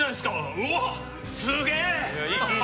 うわっすげえ！